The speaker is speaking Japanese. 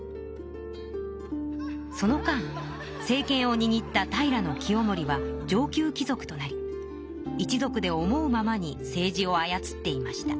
その間政けんをにぎった平清盛は上級き族となり一族で思うままに政治をあやつっていました。